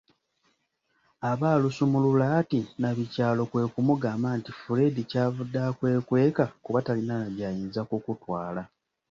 Aba alusumulula ati, Nabikyalo kwe kumugamba nti: “Fred ky’avudde akwekweka kuba talina na gy’ayinza kukutwala! ”